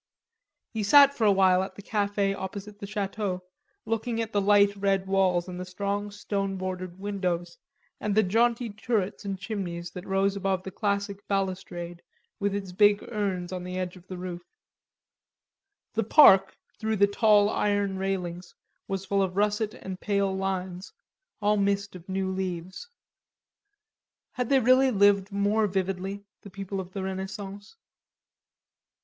He sat for a while at the cafe opposite the Chateau looking at the light red walls and the strong stone bordered windows and the jaunty turrets and chimneys that rose above the classic balustrade with its big urns on the edge of the roof. The park, through the tall iron railings, was full of russet and pale lines, all mist of new leaves. Had they really lived more vividly, the people of the Renaissance?